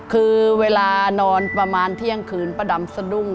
คือเวลานอนประมาณเที่ยงคืนป้าดำสะดุ้ง